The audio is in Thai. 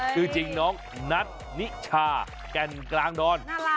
จริงน้องนัทนิชาแก่นกลางดอน